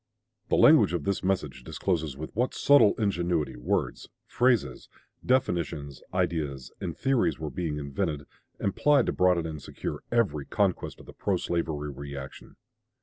The language of this message discloses with what subtle ingenuity words, phrases, definitions, ideas, and theories were being invented and plied to broaden and secure every conquest of the pro slavery reaction.